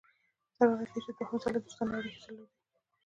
سره له دې چې دوهم ځل یې دوستانه اړیکي درلودې.